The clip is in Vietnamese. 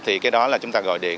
thì cái đó là chúng ta gọi điện